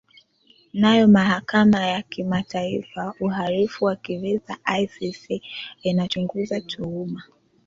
nayo mahakama ya kimataifa uhalifu wa kivita icc inachunguza tuhuma